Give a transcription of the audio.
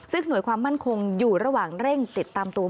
ซึ่งหน่วยความมั่นคงอยู่ระหว่างเร่งติดตามตัว